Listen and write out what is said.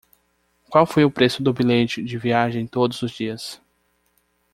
Qual foi o preço do bilhete de viagem todos os dias?